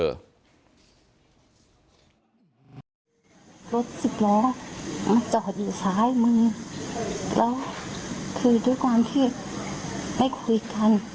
รถสิบล้อมาจอดอยู่ซ้ายมือแล้วคือด้วยความที่ไม่คุยกัน